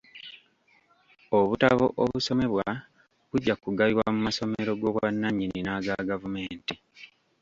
Obutabo obusomebwa bujja kugabibwa mu masomero g'obwannanyini n'agagavumenti.